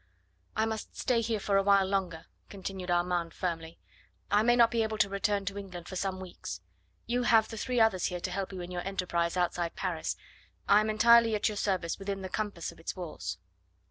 "I must stay here for a while longer," continued Armand firmly. "I may not be able to return to England for some weeks. You have the three others here to help you in your enterprise outside Paris. I am entirely at your service within the compass of its walls."